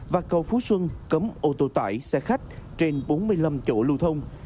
và cầu phú xuân cấm ô tô tải xe khách trên bốn mươi năm chỗ lưu thông